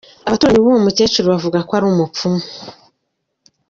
Abaturanyi b’uwo mukecuru bavuga ko ari umupfumu.